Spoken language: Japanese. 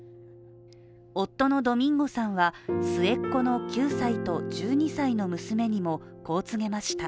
夫のドミンゴさんは末っ子の９歳と１２歳の娘にも、こう告げました。